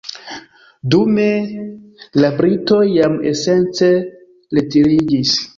Dume, la britoj jam esence retiriĝis.